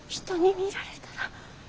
人に見られたら。